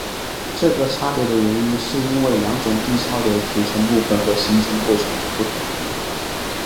这个差别的原因是因为两种地壳的组成部分和形成过程不同。